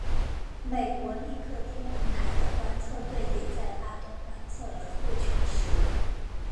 美国利克天文台的观测队也在巴东观测了日全食。